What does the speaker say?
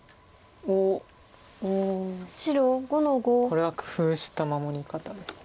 これは工夫した守り方です。